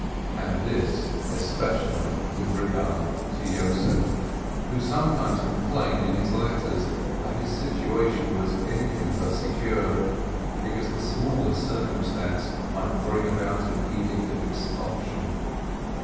And this especially with regard to Yossef, who sometimes complained in his letters that his situation was anything but secure, because the smallest circumstance might bring about an edict of expulsion.